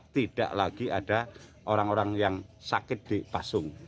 tidak lagi ada orang orang yang sakit di pasung